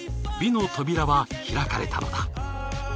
美の扉は開かれたのだ。